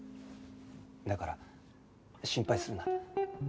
だから心配するな。